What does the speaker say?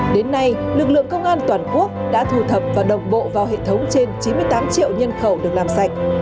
đến nay lực lượng công an toàn quốc đã thu thập và đồng bộ vào hệ thống trên chín mươi tám triệu nhân khẩu được làm sạch